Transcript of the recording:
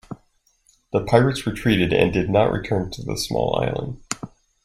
The pirates retreated and did not return to the small island.